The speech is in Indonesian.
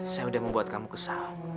saya sudah membuat kamu kesal